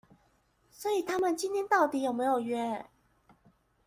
所以他們今天到底有沒有約